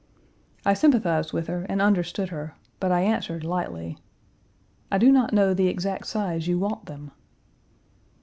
I sympathized with her and understood her, but I answered lightly, "I do not know the exact size you want them."